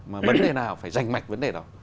mà vấn đề nào phải dành mạch vấn đề đó